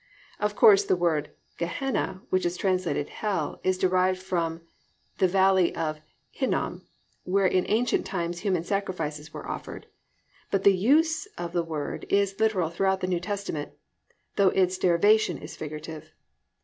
Of course, the word "Gehenna," which is translated "Hell" is derived from the valley of Hinnom, where in ancient times human sacrifices were offered, but the use of the word is literal throughout the New Testament, though its derivation is figurative.